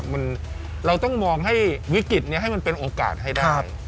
มันเราต้องมองให้วิกฤตนี้ให้มันเป็นโอกาสให้ได้